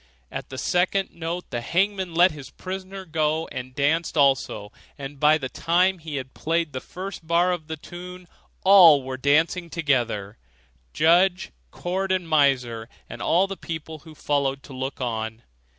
At the second note the hangman let his prisoner go, and danced also, and by the time he had played the first bar of the tune, all were dancing together judge, court, and miser, and all the people who had followed to look on.